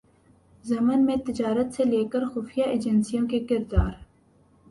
ضمن میں تجارت سے لے کرخفیہ ایجنسیوں کے کردار